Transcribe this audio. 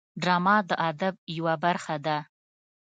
ډرامه د ادب یوه برخه ده